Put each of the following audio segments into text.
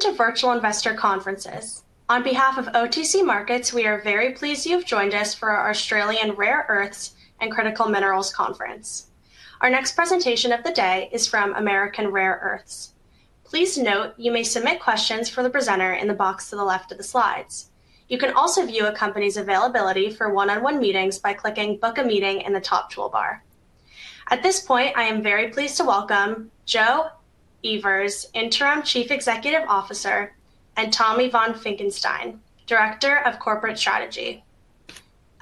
Welcome to virtual investor conferences. On behalf of OTC Markets, we are very pleased you have joined us for our Australian Rare Earths and Critical Minerals Conference. Our next presentation of the day is from American Rare Earths. Please note you may submit questions for the presenter in the box to the left of the slides. You can also view a company's availability for one-on-one meetings by clicking "Book a Meeting" in the top toolbar. At this point, I am very pleased to welcome Joe Evers, Interim Chief Executive Officer, and Tommy von Finckenstein, Director of Corporate Strategy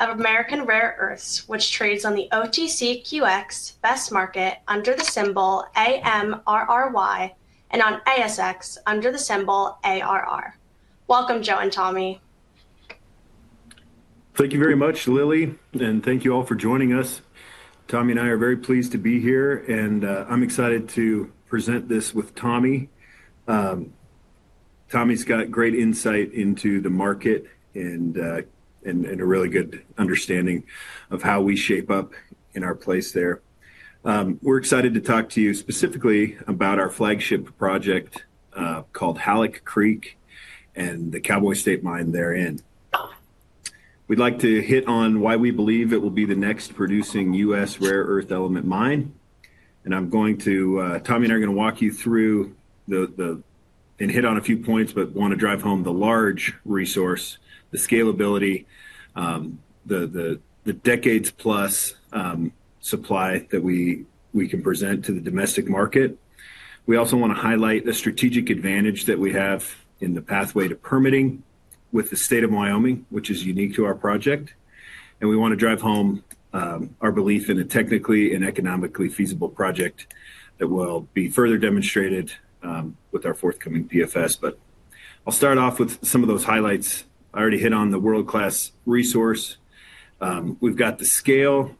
of American Rare Earths, which trades on the OTCQX Best Market under the symbol AMRRY and on ASX under the symbol ARR. Welcome, Joe and Tommy. Thank you very much, Lily, and thank you all for joining us. Tommy and I are very pleased to be here, and I'm excited to present this with Tommy. Tommy's got great insight into the market and a really good understanding of how we shape up in our place there. We're excited to talk to you specifically about our flagship project called Halleck Creek and the Cowboy State Mine therein. We'd like to hit on why we believe it will be the next producing U.S. rare earth element mine. I'm going to—Tommy and I are going to walk you through and hit on a few points, but want to drive home the large resource, the scalability, the decades-plus supply that we can present to the domestic market. We also want to highlight the strategic advantage that we have in the pathway to permitting with the state of Wyoming, which is unique to our project. We want to drive home our belief in a technically and economically feasible project that will be further demonstrated with our forthcoming PFS. I'll start off with some of those highlights. I already hit on the world-class resource. We've got the scale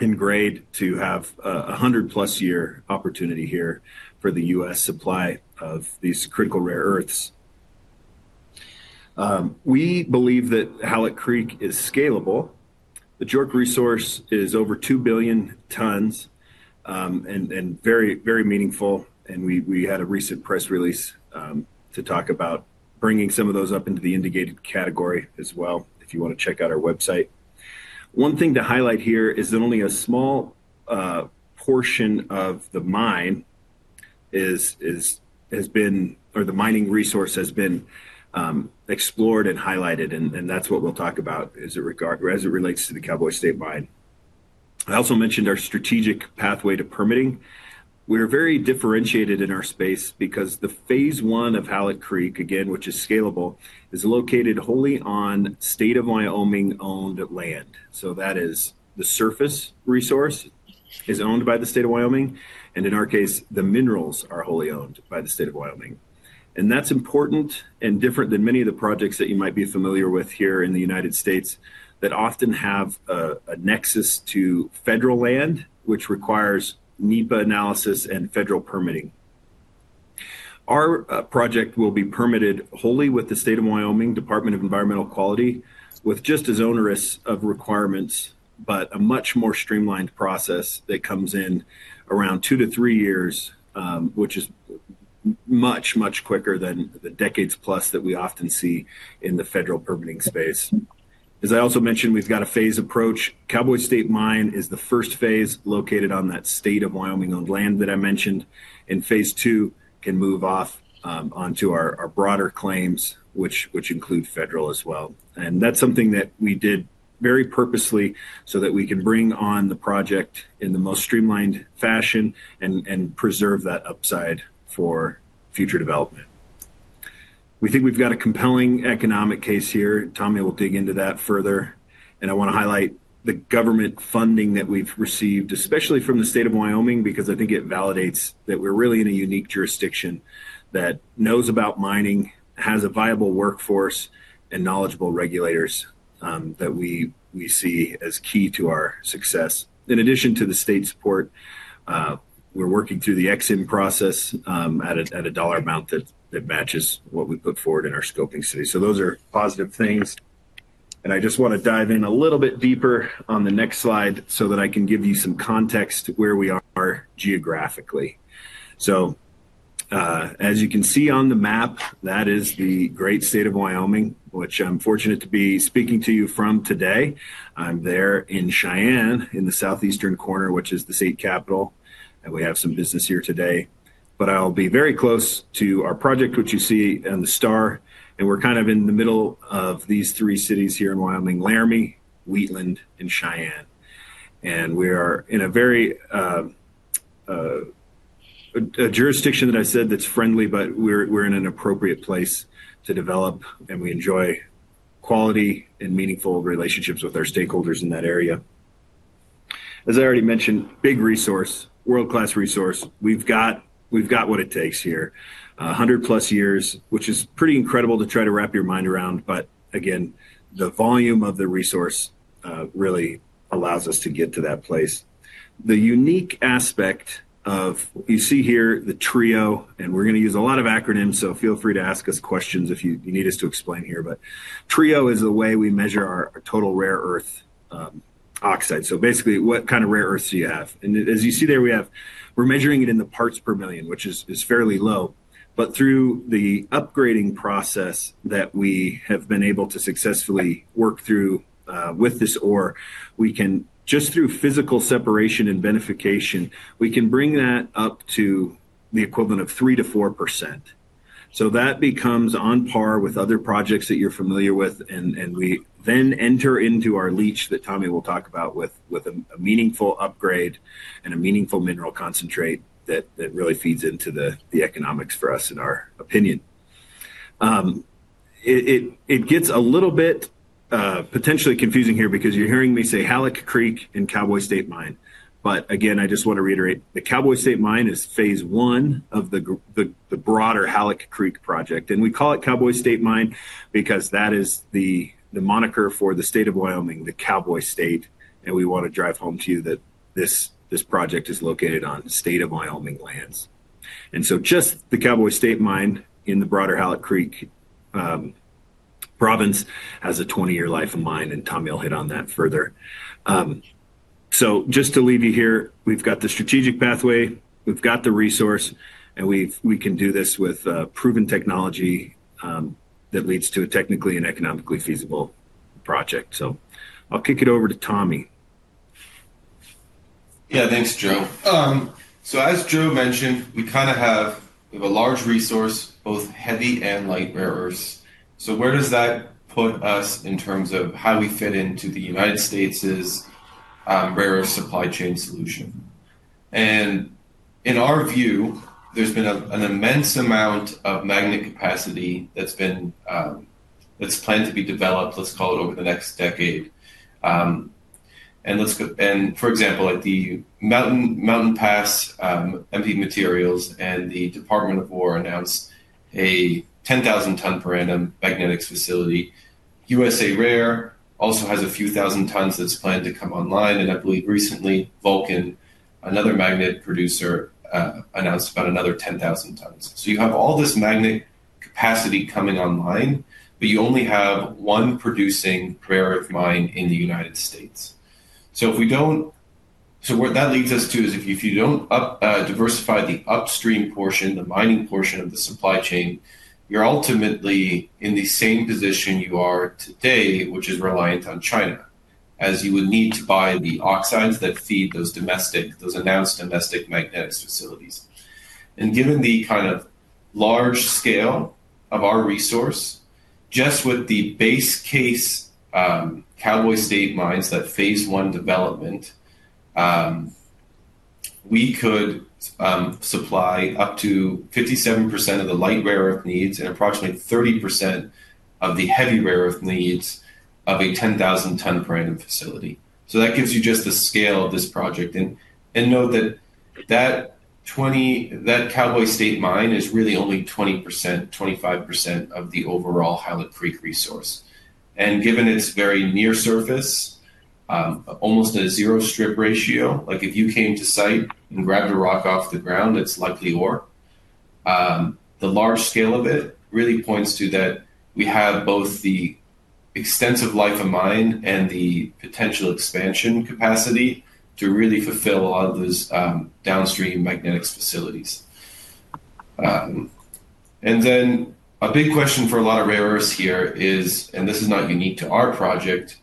and grade to have a 100+ year opportunity here for the U.S. supply of these critical rare earths. We believe that Halleck Creek is scalable. The JORC resource is over 2 billion tons and very, very meaningful. We had a recent press release to talk about bringing some of those up into the indicated category as well, if you want to check out our website. One thing to highlight here is that only a small portion of the mine has been—the mining resource has been explored and highlighted, and that's what we'll talk about as it relates to the Cowboy State Mine. I also mentioned our strategic pathway to permitting. We're very differentiated in our space because the phase I of Halleck Creek, again, which is scalable, is located wholly on state-of-Wyoming-owned land. That is, the surface resource is owned by the state of Wyoming, and in our case, the minerals are wholly owned by the state of Wyoming. That is important and different than many of the projects that you might be familiar with here in the United States that often have a nexus to federal land, which requires NEPA analysis and federal permitting. Our project will be permitted wholly with the state of Wyoming Department of Environmental Quality, with just as onerous of requirements, but a much more streamlined process that comes in around two to three years, which is much, much quicker than the decades-plus that we often see in the federal permitting space. As I also mentioned, we've got a phased approach. Cowboy State Mine is the first phase located on that state-of-Wyoming-owned land that I mentioned, and phase II can move off onto our broader claims, which include federal as well. That is something that we did very purposely so that we can bring on the project in the most streamlined fashion and preserve that upside for future development. We think we've got a compelling economic case here. Tommy will dig into that further. I want to highlight the government funding that we've received, especially from the state of Wyoming, because I think it validates that we're really in a unique jurisdiction that knows about mining, has a viable workforce, and knowledgeable regulators that we see as key to our success. In addition to the state support, we're working through the exim process at a dollar amount that matches what we put forward in our scoping study. Those are positive things. I just want to dive in a little bit deeper on the next slide so that I can give you some context where we are geographically. As you can see on the map, that is the great state of Wyoming, which I'm fortunate to be speaking to you from today. I'm there in Cheyenne in the southeastern corner, which is the state capital. We have some business here today. I'll be very close to our project, which you see on the star. We are kind of in the middle of these three cities here in Wyoming: Laramie, Wheatland, and Cheyenne. We are in a jurisdiction that I said is friendly, but we are in an appropriate place to develop, and we enjoy quality and meaningful relationships with our stakeholders in that area. As I already mentioned, big resource, world-class resource. We've got what it takes here. 100+ years, which is pretty incredible to try to wrap your mind around. Again, the volume of the resource really allows us to get to that place. The unique aspect you see here, the TREO, and we are going to use a lot of acronyms, so feel free to ask us questions if you need us to explain here. TREO is the way we measure our total rare earth oxide. Basically, what kind of rare earths do you have? As you see there, we're measuring it in the parts per million, which is fairly low. Through the upgrading process that we have been able to successfully work through with this ore, we can, just through physical separation and beneficiation, bring that up to the equivalent of 3%-4%. That becomes on par with other projects that you're familiar with. We then enter into our leach that Tommy will talk about with a meaningful upgrade and a meaningful mineral concentrate that really feeds into the economics for us, in our opinion. It gets a little bit potentially confusing here because you're hearing me say Halleck Creek and Cowboy State Mine. Again, I just want to reiterate, the Cowboy State Mine is phase I of the broader Halleck Creek project. We call it Cowboy State Mine because that is the moniker for the state of Wyoming, the Cowboy State. We want to drive home to you that this project is located on state-of-Wyoming lands. Just the Cowboy State Mine in the broader Halleck Creek province has a 20-year life of mine, and Tommy will hit on that further. Just to leave you here, we've got the strategic pathway, we've got the resource, and we can do this with proven technology that leads to a technically and economically feasible project. I'll kick it over to Tommy. Yeah, thanks, Joe. As Joe mentioned, we kind of have a large resource, both heavy and light rare earths. Where does that put us in terms of how we fit into the United States' rare earth supply chain solution? In our view, there's been an immense amount of magnet capacity that's planned to be developed, let's call it, over the next decade. For example, at the Mountain Pass MP Materials, the Department of Energy announced a 10,000-ton per annum magnetics facility. USA Rare Earth also has a few thousand tons that's planned to come online. I believe recently, Vulcan, another magnet producer, announced about another 10,000 tons. You have all this magnet capacity coming online, but you only have one producing rare earth mine in the United States. That leads us to is if you don't diversify the upstream portion, the mining portion of the supply chain, you're ultimately in the same position you are today, which is reliant on China, as you would need to buy the oxides that feed those domestic, those announced domestic magnetics facilities. Given the kind of large scale of our resource, just with the base case Cowboy State Mine, that phase I development, we could supply up to 57% of the light rare earth needs and approximately 30% of the heavy rare earth needs of a 10,000-ton per annum facility. That gives you just the scale of this project. Note that that Cowboy State Mine is really only 20%-25% of the overall Halleck Creek resource. Given its very near surface, almost a zero strip ratio, like if you came to site and grabbed a rock off the ground, it's likely ore. The large scale of it really points to that we have both the extensive life of mine and the potential expansion capacity to really fulfill a lot of those downstream magnetics facilities. A big question for a lot of rare earths here is, and this is not unique to our project,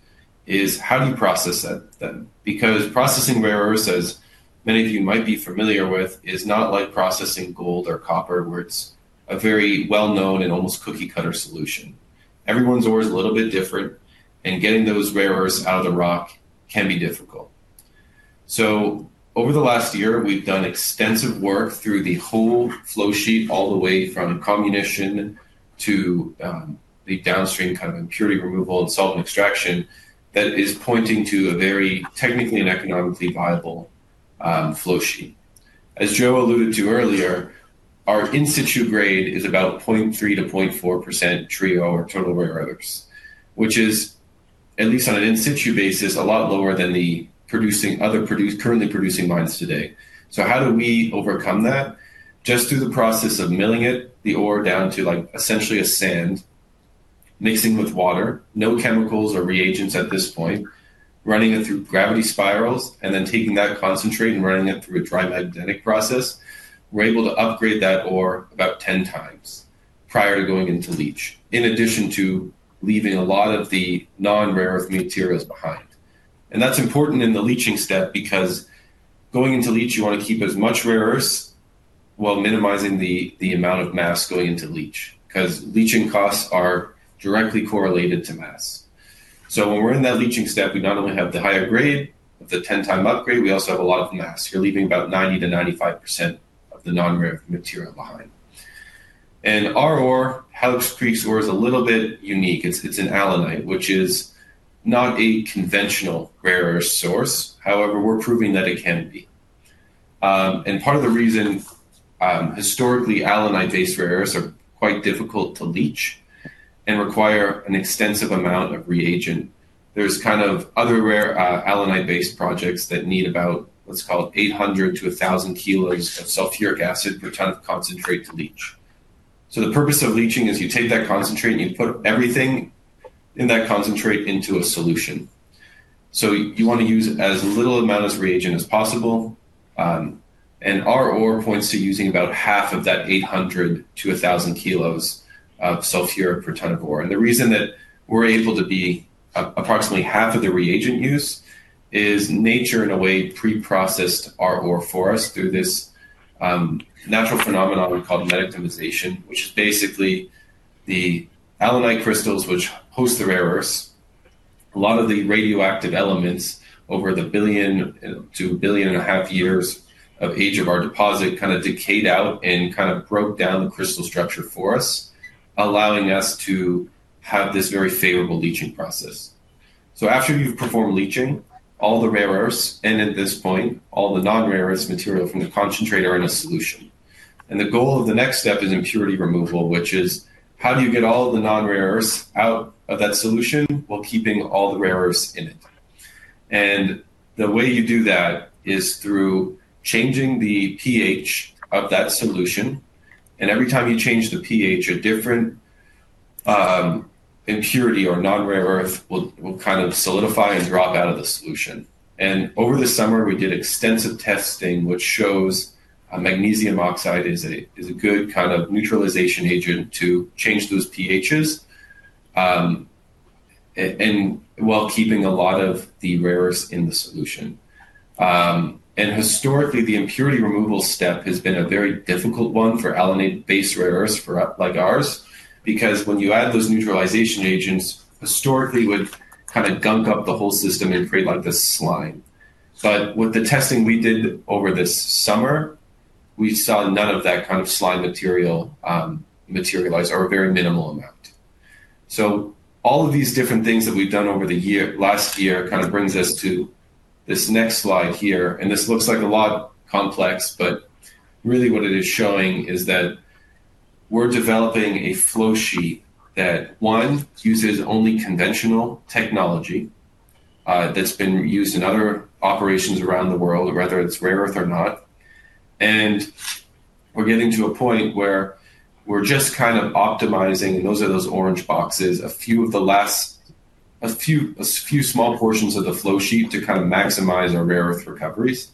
how do you process them? Because processing rare earths, as many of you might be familiar with, is not like processing gold or copper, where it's a very well-known and almost cookie-cutter solution. Everyone's ore is a little bit different, and getting those rare earths out of the rock can be difficult. Over the last year, we've done extensive work through the whole flow sheet, all the way from comminution to the downstream kind of impurity removal and salt and extraction that is pointing to a very technically and economically viable flow sheet. As Joe alluded to earlier, our in-situ grade is about 0.3%-0.4% TREO or total rare earths, which is, at least on an in-situ basis, a lot lower than the other currently producing mines today. How do we overcome that? Just through the process of milling it, the ore down to essentially a sand, mixing with water, no chemicals or reagents at this point, running it through gravity spirals, and then taking that concentrate and running it through a dry magnetic process, we're able to upgrade that ore about 10x prior to going into leach, in addition to leaving a lot of the non-rare earth materials behind. That's important in the leaching step because going into leach, you want to keep as much rare earths while minimizing the amount of mass going into leach because leaching costs are directly correlated to mass. When we're in that leaching step, we not only have the higher grade of the 10x upgrade, we also have a lot of mass. You're leaving about 90%-95% of the non-rare earth material behind. Our ore, Halleck Creek's ore, is a little bit unique. It's an allanite, which is not a conventional rare earth source. However, we're proving that it can be. Part of the reason historically allanite-based rare earths are quite difficult to leach and require an extensive amount of reagent. There are other allanite-based projects that need about, let's call it, 800 kg-1,000 kg of sulfuric acid per ton of concentrate to leach. The purpose of leaching is you take that concentrate and you put everything in that concentrate into a solution. You want to use as little amount of reagent as possible. Our ore points to using about half of that 800 kg-1,000 kg of sulfuric per ton of ore. The reason that we're able to be approximately half of the reagent use is nature, in a way, pre-processed our ore for us through this natural phenomenon we call natriphilization, which is basically the allanite crystals, which host the rare earths. A lot of the radioactive elements over the billion to billion and a half years of age of our deposit kind of decayed out and kind of broke down the crystal structure for us, allowing us to have this very favorable leaching process. After you've performed leaching, all the rare earths, and at this point, all the non-rare earths material from the concentrate are in a solution. The goal of the next step is impurity removal, which is how do you get all the non-rare earths out of that solution while keeping all the rare earths in it? The way you do that is through changing the pH of that solution. Every time you change the pH, a different impurity or non-rare earth will kind of solidify and drop out of the solution. Over the summer, we did extensive testing, which shows magnesium oxide is a good kind of neutralization agent to change those pHs while keeping a lot of the rare earths in the solution. Historically, the impurity removal step has been a very difficult one for allanite-based rare earths like ours because when you add those neutralization agents, historically, it would kind of gunk up the whole system and create like this slime. With the testing we did over this summer, we saw none of that kind of slime material materialize or a very minimal amount. All of these different things that we've done over the last year kind of brings us to this next slide here. This looks like a lot complex, but really what it is showing is that we're developing a flow sheet that, one, uses only conventional technology that's been used in other operations around the world, whether it's rare earth or not. We're getting to a point where we're just kind of optimizing, and those are those orange boxes, a few of the last, a few small portions of the flow sheet to kind of maximize our rare earth recoveries.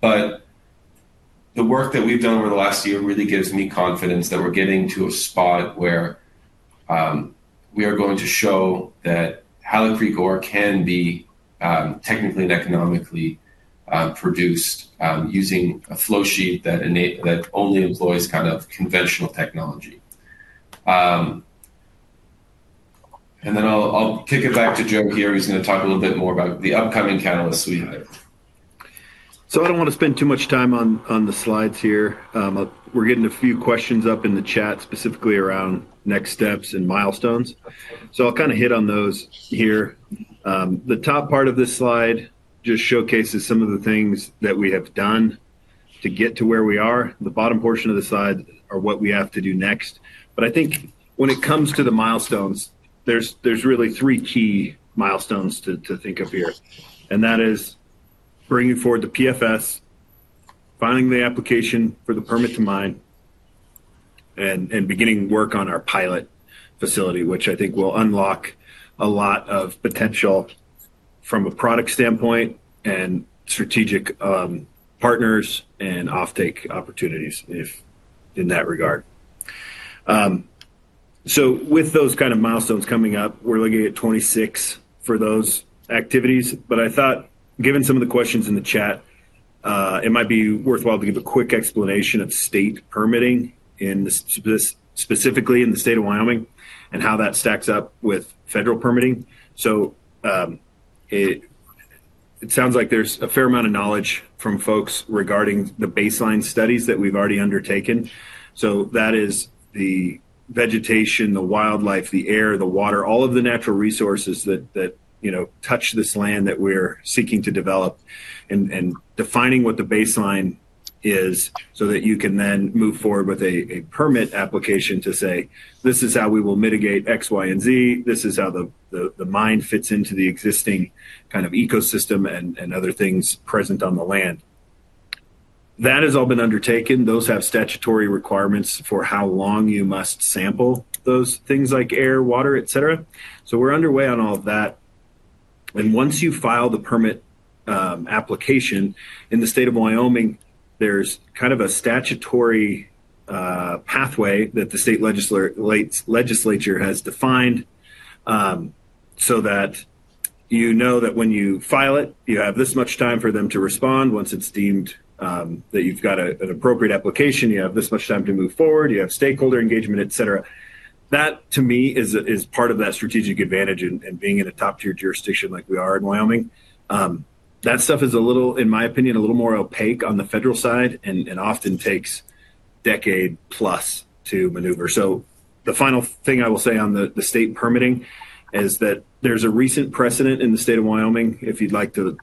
The work that we've done over the last year really gives me confidence that we're getting to a spot where we are going to show that Halleck Creek ore can be technically and economically produced using a flow sheet that only employs kind of conventional technology. I'll kick it back to Joe here. He's going to talk a little bit more about the upcoming catalysts we have. I don't want to spend too much time on the slides here. We're getting a few questions up in the chat specifically around next steps and milestones. I'll kind of hit on those here. The top part of this slide just showcases some of the things that we have done to get to where we are. The bottom portion of the slide are what we have to do next. I think when it comes to the milestones, there's really three key milestones to think of here. That is bringing forward the PFS, finding the application for the permit to mine, and beginning work on our pilot facility, which I think will unlock a lot of potential from a product standpoint and strategic partners and offtake opportunities in that regard. With those kind of milestones coming up, we're looking at 2026 for those activities. I thought, given some of the questions in the chat, it might be worthwhile to give a quick explanation of state permitting, specifically in the state of Wyoming, and how that stacks up with federal permitting. It sounds like there's a fair amount of knowledge from folks regarding the baseline studies that we've already undertaken. That is the vegetation, the wildlife, the air, the water, all of the natural resources that touch this land that we're seeking to develop and defining what the baseline is so that you can then move forward with a permit application to say, "This is how we will mitigate X, Y, and Z. This is how the mine fits into the existing kind of ecosystem and other things present on the land." That has all been undertaken. Those have statutory requirements for how long you must sample those things like air, water, etc. We're underway on all of that. Once you file the permit application, in the state of Wyoming, there's kind of a statutory pathway that the state legislature has defined so that you know that when you file it, you have this much time for them to respond. Once it's deemed that you've got an appropriate application, you have this much time to move forward. You have stakeholder engagement, etc. That, to me, is part of that strategic advantage in being in a top-tier jurisdiction like we are in Wyoming. That stuff is, in my opinion, a little more opaque on the federal side and often takes a decade-plus to maneuver. The final thing I will say on the state permitting is that there's a recent precedent in the state of Wyoming. If you'd like to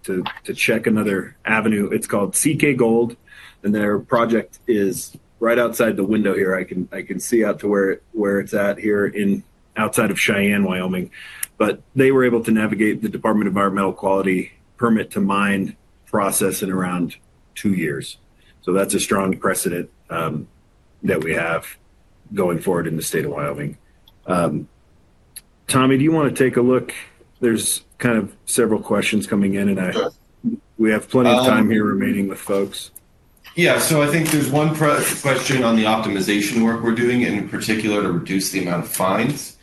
check another avenue, it's called CK Gold. Their project is right outside the window here. I can see out to where it's at here outside of Cheyenne, Wyoming. They were able to navigate the Department of Environmental Quality permit to mine process in around two years. That's a strong precedent that we have going forward in the state of Wyoming. Tommy, do you want to take a look? There's kind of several questions coming in, and we have plenty of time here remaining with folks. Yeah. I think there's one question on the optimization work we're doing in particular to reduce the amount of fines.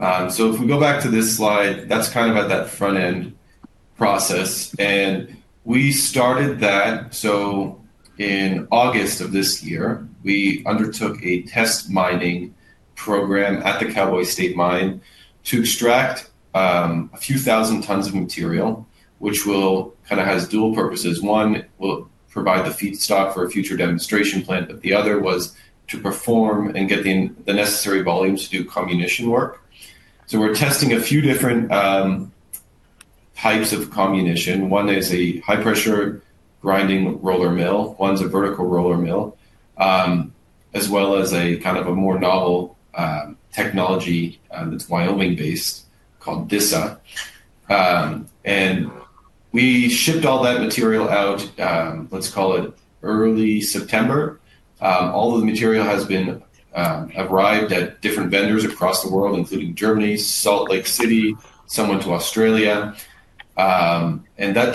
If we go back to this slide, that's kind of at that front-end process. We started that. In August of this year, we undertook a test mining program at the Cowboy State Mine to extract a few thousand tons of material, which kind of has dual purposes. One will provide the feedstock for a future demonstration plant, but the other was to perform and get the necessary volumes to do comminution work. We're testing a few different types of comminution. One is a high-pressure grinding roller mill. One's a vertical roller mill, as well as a kind of a more novel technology that's Wyoming-based called DISA. We shipped all that material out, let's call it early September. All of the material has arrived at different vendors across the world, including Germany, Salt Lake City, some went to Australia. That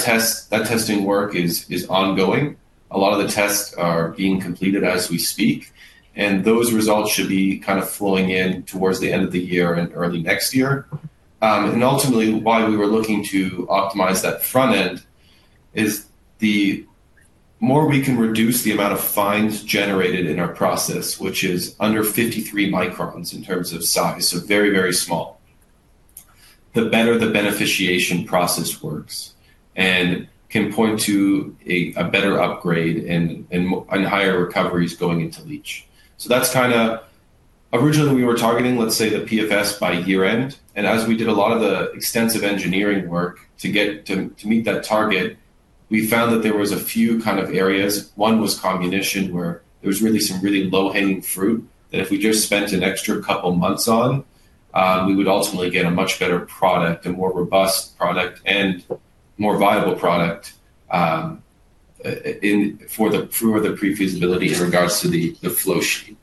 testing work is ongoing. A lot of the tests are being completed as we speak. Those results should be kind of flowing in towards the end of the year and early next year. Ultimately, why we were looking to optimize that front-end is the more we can reduce the amount of fines generated in our process, which is under 53 µm in terms of size, so very, very small, the better the beneficiation process works and can point to a better upgrade and higher recoveries going into leach. That's kind of originally we were targeting, let's say, the PFS by year-end. As we did a lot of the extensive engineering work to meet that target, we found that there were a few kind of areas. One was comminution, where there was really some really low-hanging fruit that if we just spent an extra couple of months on, we would ultimately get a much better product, a more robust product, and more viable product for the proof of the pre-feasibility in regards to the flow sheet.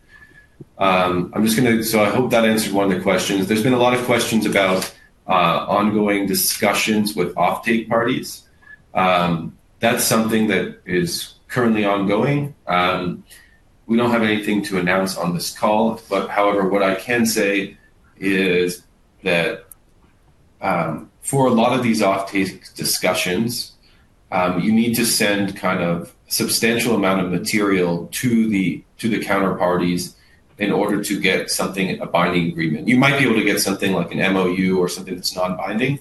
I hope that answered one of the questions. There's been a lot of questions about ongoing discussions with offtake parties. That's something that is currently ongoing. We don't have anything to announce on this call. However, what I can say is that for a lot of these offtake discussions, you need to send kind of a substantial amount of material to the counterparties in order to get something, a binding agreement. You might be able to get something like an MOU or something that's non-binding.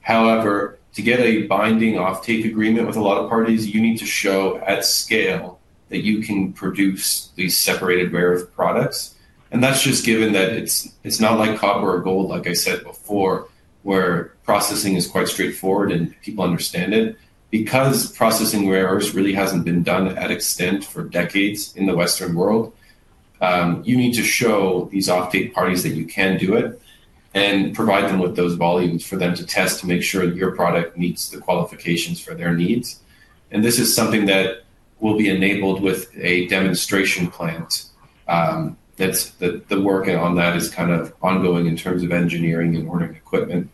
However, to get a binding offtake agreement with a lot of parties, you need to show at scale that you can produce these separated rare earth products. That's just given that it's not like copper or gold, like I said before, where processing is quite straightforward and people understand it. Because processing rare earths really hasn't been done at extent for decades in the Western world, you need to show these offtake parties that you can do it and provide them with those volumes for them to test to make sure your product meets the qualifications for their needs. This is something that will be enabled with a demonstration plant. The work on that is kind of ongoing in terms of engineering and ordering equipment.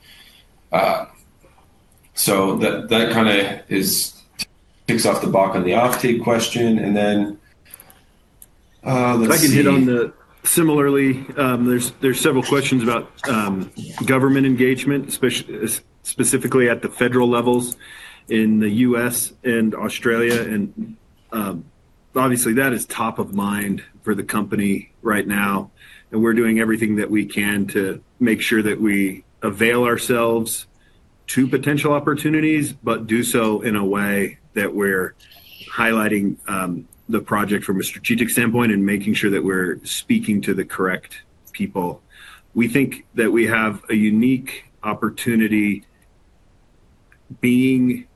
That kind of ticks off the buck on the offtake question. Let's see. I can hit on the—similarly, there's several questions about government engagement, specifically at the federal levels in the U.S. and Australia. Obviously, that is top of mind for the company right now. We're doing everything that we can to make sure that we avail ourselves to potential opportunities, but do so in a way that we're highlighting the project from a strategic standpoint and making sure that we're speaking to the correct people. We think that we have a unique opportunity being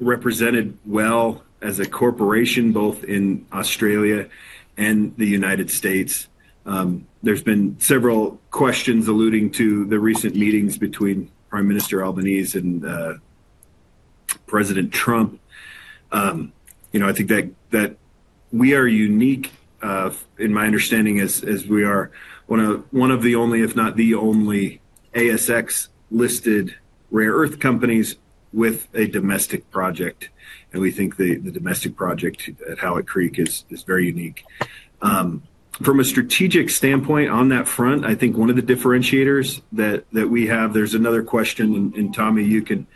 represented well as a corporation, both in Australia and the United States. There's been several questions alluding to the recent meetings between Prime Minister Albanese and President Trump. I think that we are unique, in my understanding, as we are one of the only, if not the only, ASX-listed rare earth companies with a domestic project. We think the domestic project at Halleck Creek is very unique. From a strategic standpoint on that front, I think one of the differentiators that we have—there's another question. Tommy, you can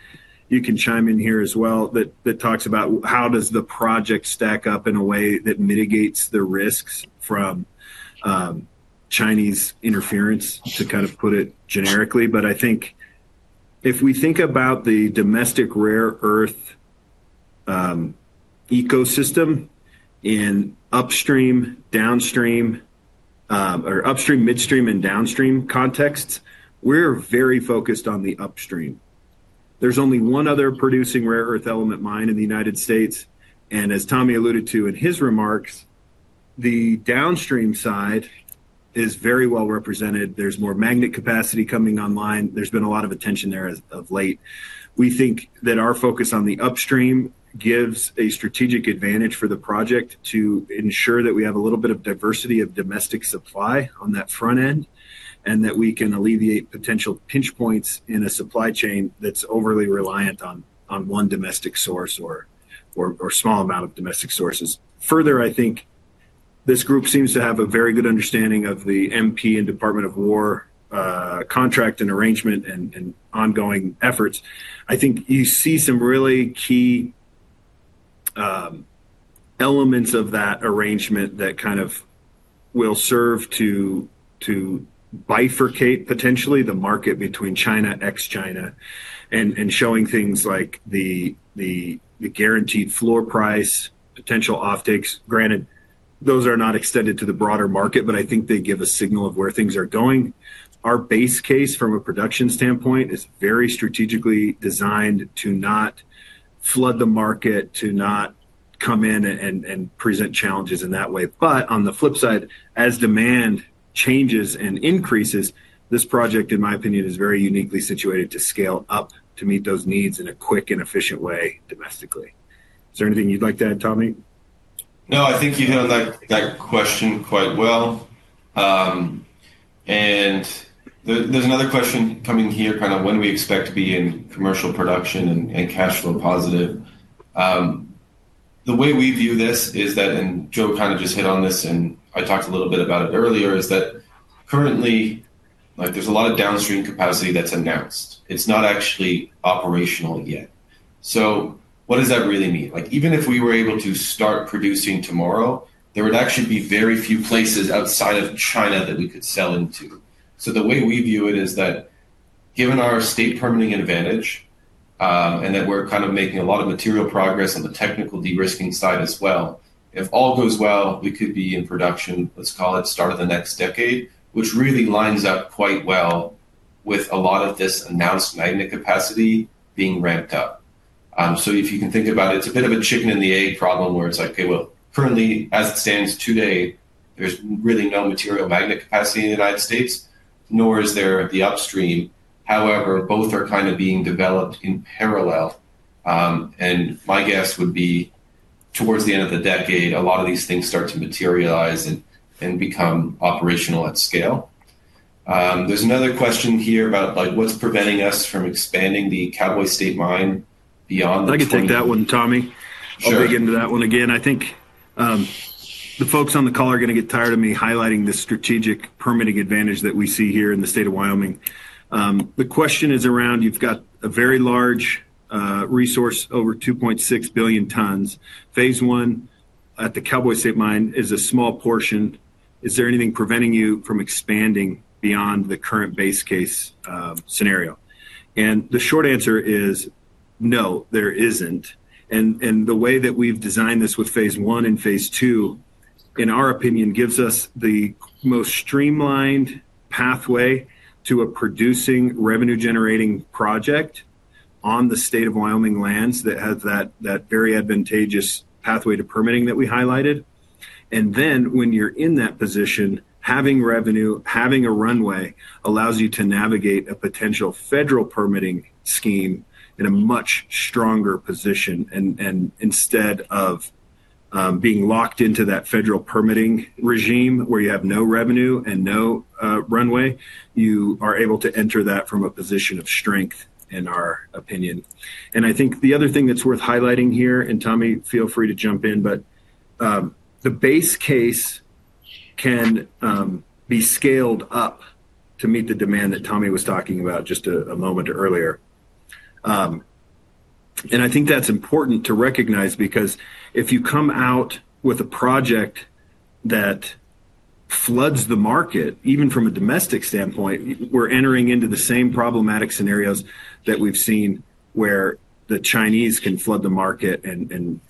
chime in here as well—that talks about how does the project stack up in a way that mitigates the risks from Chinese interference, to kind of put it generically. I think if we think about the domestic rare earth ecosystem in upstream, downstream, or upstream, midstream, and downstream contexts, we're very focused on the upstream. There's only one other producing rare earth element mine in the United States. As Tommy alluded to in his remarks, the downstream side is very well represented. There's more magnet capacity coming online. There's been a lot of attention there of late. We think that our focus on the upstream gives a strategic advantage for the project to ensure that we have a little bit of diversity of domestic supply on that front-end and that we can alleviate potential pinch points in a supply chain that's overly reliant on one domestic source or a small amount of domestic sources. Further, I think this group seems to have a very good understanding of the MP and Department of War contract and arrangement and ongoing efforts. I think you see some really key elements of that arrangement that kind of will serve to bifurcate potentially the market between China ex-China and showing things like the guaranteed floor price, potential offtakes. Granted, those are not extended to the broader market, but I think they give a signal of where things are going. Our base case from a production standpoint is very strategically designed to not flood the market, to not come in and present challenges in that way. On the flip side, as demand changes and increases, this project, in my opinion, is very uniquely situated to scale up to meet those needs in a quick and efficient way domestically. Is there anything you'd like to add, Tommy? No, I think you handled that question quite well. There is another question coming here, kind of when we expect to be in commercial production and cash flow positive. The way we view this is that—Joe kind of just hit on this, and I talked a little bit about it earlier—is that currently, there is a lot of downstream capacity that is announced. It is not actually operational yet. What does that really mean? Even if we were able to start producing tomorrow, there would actually be very few places outside of China that we could sell into. The way we view it is that given our state permitting advantage and that we're kind of making a lot of material progress on the technical de-risking side as well, if all goes well, we could be in production, let's call it, start of the next decade, which really lines up quite well with a lot of this announced magnet capacity being ramped up. If you can think about it, it's a bit of a chicken and the egg problem where it's like, "Okay, well, currently, as it stands today, there's really no material magnet capacity in the United States, nor is there the upstream." However, both are kind of being developed in parallel. My guess would be towards the end of the decade, a lot of these things start to materialize and become operational at scale. There's another question here about what's preventing us from expanding the Cowboy State Mine beyond the state. I can take that one, Tommy. I'll dig into that one again. I think the folks on the call are going to get tired of me highlighting the strategic permitting advantage that we see here in the state of Wyoming. The question is around you've got a very large resource, over 2.6 billion tons. Phase I at the Cowboy State Mine is a small portion. Is there anything preventing you from expanding beyond the current base case scenario? The short answer is no, there isn't. The way that we've designed this with phase I and phase II, in our opinion, gives us the most streamlined pathway to a producing, revenue-generating project on the state of Wyoming lands that has that very advantageous pathway to permitting that we highlighted. When you're in that position, having revenue, having a runway allows you to navigate a potential federal permitting scheme in a much stronger position. Instead of being locked into that federal permitting regime where you have no revenue and no runway, you are able to enter that from a position of strength, in our opinion. I think the other thing that's worth highlighting here—Tommy, feel free to jump in—the base case can be scaled up to meet the demand that Tommy was talking about just a moment earlier. I think that's important to recognize because if you come out with a project that floods the market, even from a domestic standpoint, we're entering into the same problematic scenarios that we've seen where the Chinese can flood the market and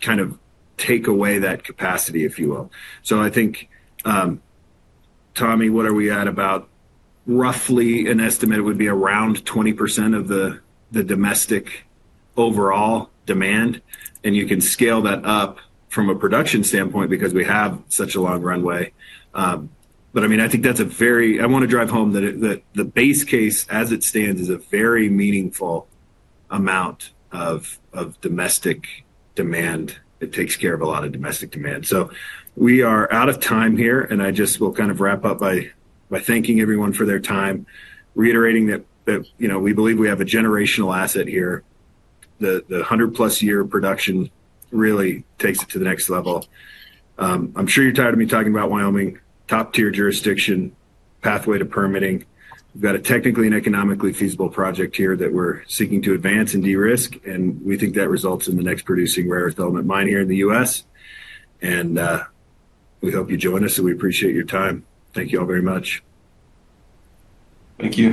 kind of take away that capacity, if you will. I think, Tommy, what are we at about roughly an estimate? It would be around 20% of the domestic overall demand. You can scale that up from a production standpoint because we have such a long runway. I mean, I think that's a very—I want to drive home that the base case, as it stands, is a very meaningful amount of domestic demand. It takes care of a lot of domestic demand. We are out of time here, and I just will kind of wrap up by thanking everyone for their time, reiterating that we believe we have a generational asset here. The 100+ year production really takes it to the next level. I'm sure you're tired of me talking about Wyoming, top-tier jurisdiction, pathway to permitting. We've got a technically and economically feasible project here that we're seeking to advance and de-risk. We think that results in the next producing rare earth element mine here in the U.S. We hope you join us, and we appreciate your time. Thank you all very much. Thank you.